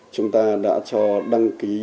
chúng ta đã cho đăng ký